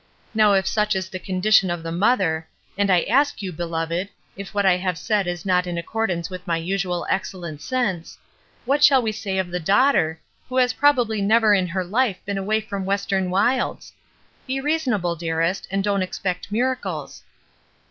Now if such is the condition of the mother, and I ask you, beloved, if what I AN EMINENTLY SENSIBLE PERSON 399 have said is not in accordance with my usual excellent sense — what shall we say of the daughter, who has probably never in her hfe been away from Western wilds ? Be reasonable, dearest, and don't expect miracles."